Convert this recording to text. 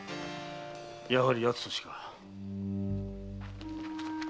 やはり奴としか。